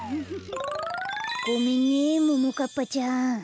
ごめんねももかっぱちゃん。